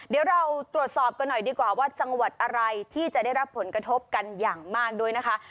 เดี๋ยวเราตรวจสอบกันหน่อยดีกว่าว่าจังหวัดอะไรที่จะได้รับผลกระทบกันอย่างมากด้วยนะคะ